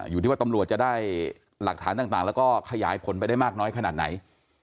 อยู่ที่ว่าตำรวจจะได้หลักฐานต่างแล้วก็ขยายผลไปได้มากน้อยขนาดไหน